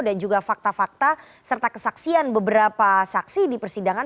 dan juga fakta fakta serta kesaksian beberapa saksi di persidangan